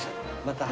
また。